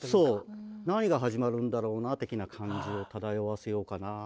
何が始まるんだろうな的な感じを漂わせようかな。